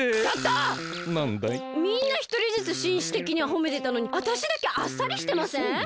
みんなひとりずつしんしてきにほめてたのにあたしだけあっさりしてません？